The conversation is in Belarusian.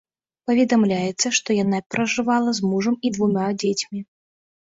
Паведамляецца, што яна пражывала з мужам і двума дзецьмі.